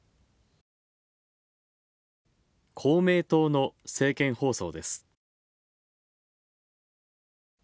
公明党の政見放送です。